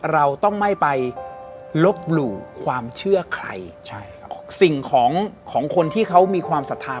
เราต้องไม่ไปลบหลู่ความเชื่อใครใช่ครับสิ่งของของคนที่เขามีความศรัทธา